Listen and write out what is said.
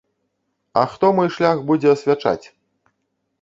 А хто мой шлях будзе асвячаць?